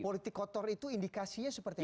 politik kotor itu indikasinya seperti